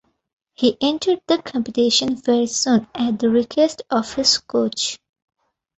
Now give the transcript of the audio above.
He entered the competition very soon at the request of his coach.